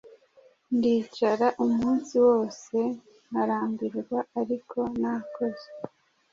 Ndicara umunsi wose nkarambirwa ariko nakoze.